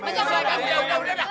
menyesuaikan udah udah udah